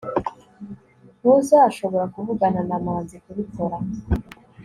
ntuzashobora kuvugana na manzi kubikora